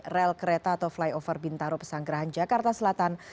rel kereta atau flyover bintaro pesanggerahan jakarta selatan